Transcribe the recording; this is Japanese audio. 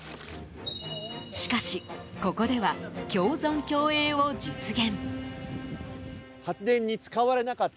しかし、ここでは共存共栄を実現。